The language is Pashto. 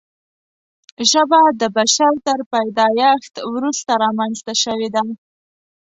ژبه د بشر تر پیدایښت وروسته رامنځته شوې ده.